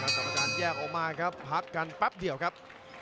แล้วก็ต้องการแยกออกมาครับพักกันปั๊บเดี๋ยวครับ